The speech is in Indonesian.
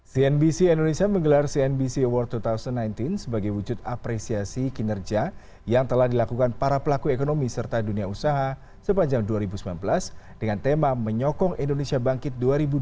cnbc indonesia menggelar cnbc award dua ribu sembilan belas sebagai wujud apresiasi kinerja yang telah dilakukan para pelaku ekonomi serta dunia usaha sepanjang dua ribu sembilan belas dengan tema menyokong indonesia bangkit dua ribu dua puluh